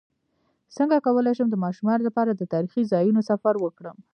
څنګه کولی شم د ماشومانو لپاره د تاریخي ځایونو سفر وکړم